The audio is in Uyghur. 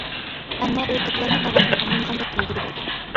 ئەمما ئۇ توپلارنىڭ ئاۋازىنى ئاڭلىمىغاندەك تۇيغۇدا بولدى.